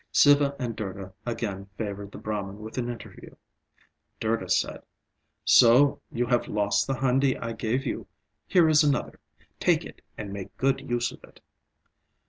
Siva and Durga again favoured the Brahman with an interview. Durga said "So, you have lost the handi I gave you. Here is another, take it and make good use of it."